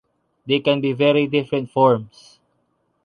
There can be very different forms.